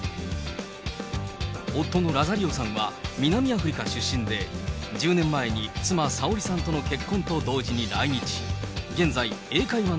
夫のラザリオさんは南アフリカ出身で、１０年前に妻、さおりさんとの結婚と同時に来日。